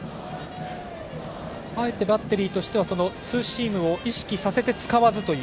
あえてバッテリーとしてはツーシームを意識させて使わずという。